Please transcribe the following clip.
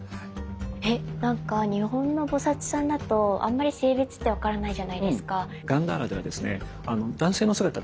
えっ⁉なんか日本の菩さんだとあんまり性別って分からないじゃないですか。